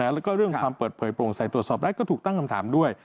แล้วก็เรื่องความเปิดเผยโปร่งใสตรวจสอบได้ก็ถูกตั้งคำถามด้วย